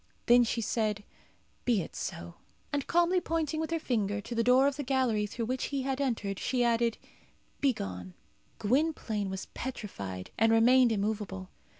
Then she said, "Be it so." And calmly pointing with her finger to the door of the gallery through which he had entered, she added, "Begone." Gwynplaine was petrified, and remained immovable.